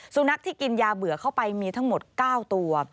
สุนัขที่กินยาเบื่อเข้าไปมีทั้งหมด๙ตัว